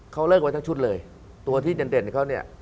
เขาเลิกไว้ทั้งชุดเลยตัวที่เด่นเขาเนี่ย